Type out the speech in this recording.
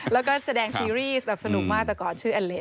แล้วก็แสดงซีรีสแบบสนุกมาก